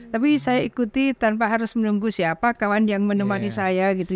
tapi saya ikuti tanpa harus menunggu siapa kawan yang menemani saya gitu